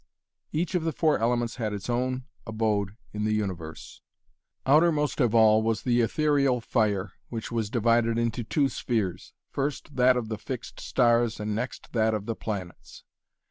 Each of the four elements had its own abode in the universe. Outermost of all was the ethereal 'fire' which was divided into two spheres: first that of the fixed stars and next that of the planets.